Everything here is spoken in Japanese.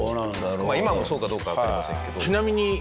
今もそうかどうかはわかりませんけど。